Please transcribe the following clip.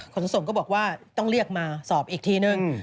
ขนส่งก็บอกว่าต้องเรียกมาสอบอีกทีนึง